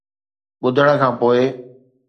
ٻڌڻ کان پوءِ،